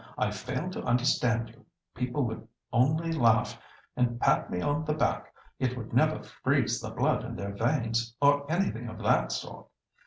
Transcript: I fail to understand you,' people would only laugh and pat me on the back. It would never freeze the blood in their veins, or anything of that sort.